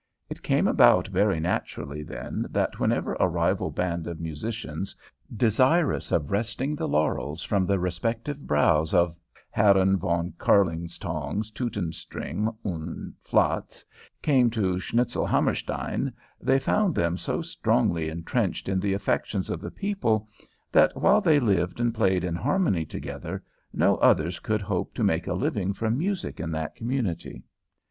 It came about very naturally, then, that whenever a rival band of musicians, desirous of wresting the laurels from the respective brows of Herren Von Kärlingtongs, Teutonstring, and Flatz, came to Schnitzelhammerstein, they found them so strongly intrenched in the affections of the people that, while they lived and played in harmony together, no others could hope to make a living from music in that community.